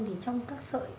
thì trong các sợi